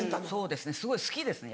すごい好きですね